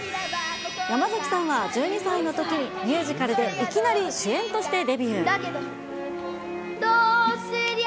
山崎さんは１２歳のときに、ミュージカルでいきなり主演としてデビュー。